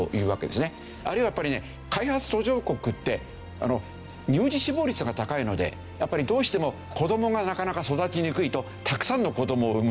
あるいはやっぱりね開発途上国って乳児死亡率が高いのでどうしても子どもがなかなか育ちにくいとたくさんの子どもを産む。